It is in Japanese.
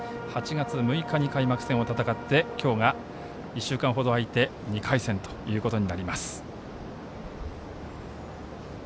８月６日に開幕戦を戦って、今日が１週間ほど空いて２回戦ということになります。